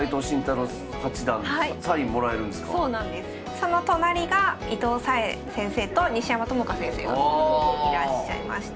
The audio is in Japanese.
その隣が伊藤沙恵先生と西山朋佳先生がいらっしゃいました。